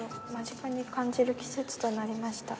感じる季節となりました。